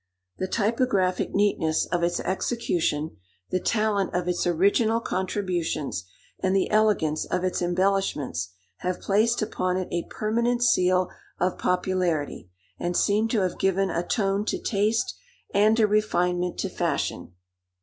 The typographic neatness of its execution, the talent of its original contributions, and the elegance of its embellishments, have placed upon it a permanent seal of popularity, and seem to have given a tone to taste, and a refinement to fashion.